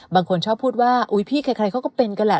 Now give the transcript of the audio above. บางคนชอบพูดว่าอุ๊ยพี่ใครเขาก็เป็นกันแหละ